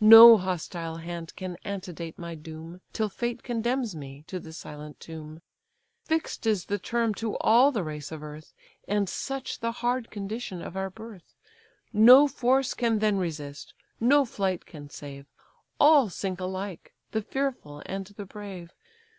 No hostile hand can antedate my doom, Till fate condemns me to the silent tomb. Fix'd is the term to all the race of earth; And such the hard condition of our birth: No force can then resist, no flight can save, All sink alike, the fearful and the brave.